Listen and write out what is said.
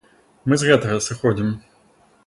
Мы з гэтага сыходзім.